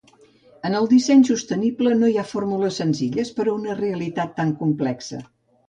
En el disseny sostenible no hi ha fórmules senzilles per a una realitat tan complexa.